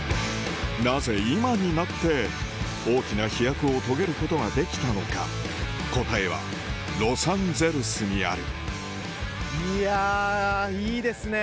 なぜ今になって大きな飛躍を遂げることができたのか答えはロサンゼルスにあるいやいいですね。